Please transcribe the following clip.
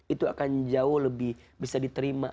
itu akan jauh lebih bisa diterima